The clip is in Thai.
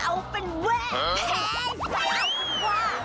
เอาเป็นแวะแพ้แล้วคือว่า